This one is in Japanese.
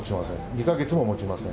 ２か月ももちません。